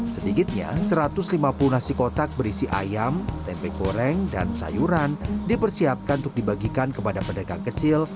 sedikitnya satu ratus lima puluh nasi kotak berisi ayam tempe goreng dan sayuran dipersiapkan untuk dibagikan kepada pedagang kecil